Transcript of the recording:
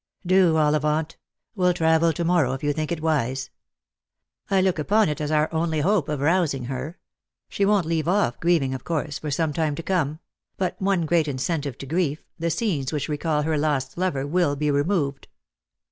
"Do, Ollivant. We'll travel to morrow if you think it wise." " I look upon it as our only hope of rousing her. She won't leave off grieving, of course, for some time to come ; but one great incentive to grief, the scenes which recall her lost lover, will be removed."